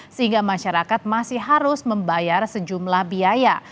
sehingga masyarakat masih harus membayar sejumlah biaya